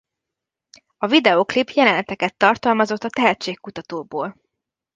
A videóklip jeleneteket tartalmazott a tehetségkutatóból.